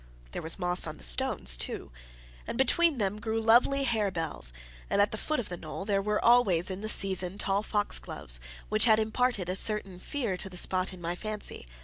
There was moss on the stones too, and between them grew lovely harebells, and at the foot of the knoll there were always in the season tall foxgloves, which had imparted a certain fear to the spot in my fancy.